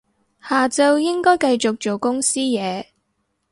下晝應該繼續做公司嘢